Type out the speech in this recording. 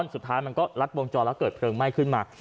สุดท้ายมันก็ลัดวงจรแล้วเกิดเพลิงไหม้ขึ้นมา